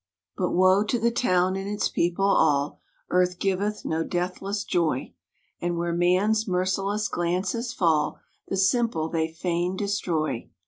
But woe to the town and its people all! Earth giveth no deathless joy, And where man's merciless glances fall The simple they fain destroy.